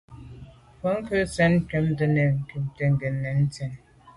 Bwɔ́ŋkə́’ cɛ̌d cúptə́ â nə̀ cúptə́ bú gə́ tɛ̌n zí.